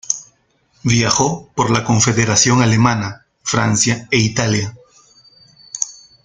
Viajó por la Confederación Alemana, Francia e Italia.